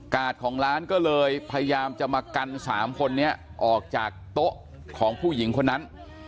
ของร้านก็เลยพยายามจะมากัน๓คนนี้ออกจากโต๊ะของผู้หญิงคนนั้น